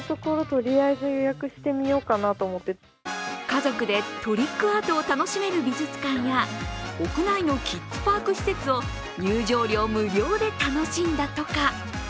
家族でトリックアートを楽しめる美術館や屋内のキッズパーク施設を入場料無料で楽しんだとか。